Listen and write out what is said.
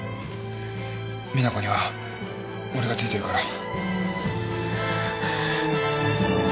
実那子には俺がついてるから。